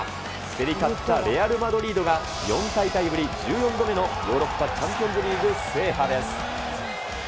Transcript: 競り勝ったレアル・マドリードが４大会ぶり１４度目のヨーロッパチャンピオンズリーグ制覇です。